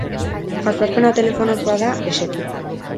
Jazarpena telefonoz bada, eseki.